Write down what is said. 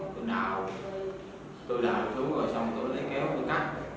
tôi đào tôi đào xuống rồi xong tôi lấy kéo tôi cắt